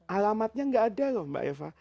alamatnya nggak ada loh mbak eva